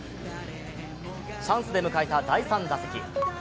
チャンスで迎えた第３打席。